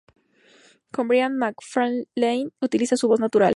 Con Brian, MacFarlane utiliza su voz natural.